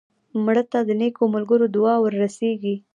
مړه ته د نیکو ملګرو دعا ورسېږي